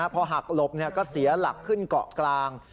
พอหักหลบก็เสียหลักขึ้นเกาะกลาง